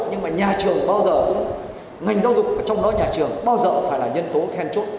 nhưng mà nhà trường bao giờ cũng ngành giáo dục ở trong đó nhà trường bao giờ cũng phải là nhân tố khen chốt